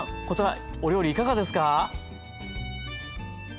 こちらお料理いかがですか？